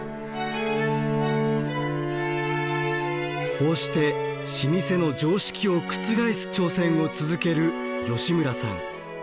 こうして老舗の常識を覆す挑戦を続ける吉村さん。